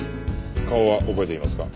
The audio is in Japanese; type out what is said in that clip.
顔は覚えていますか？